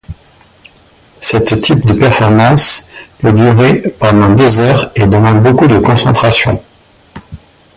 Cette type de performance peut durer pendant des heures et demande beaucoup de concentration.